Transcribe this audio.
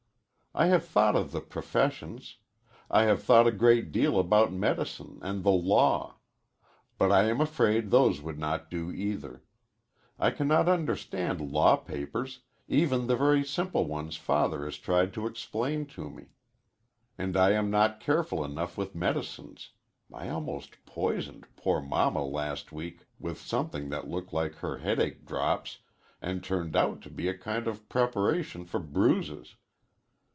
I have thought of the professions I have thought a great deal about medicine and the law. But I am afraid those would not do, either. I cannot understand law papers, even the very simple ones Father has tried to explain to me. And I am not careful enough with medicines I almost poisoned poor Mamma last week with something that looked like her headache drops and turned out to be a kind of preparation for bruises.